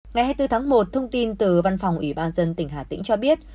ngày hai mươi bốn tháng một thông tin từ văn phòng ủy ban dân tỉnh hà tĩnh cho biết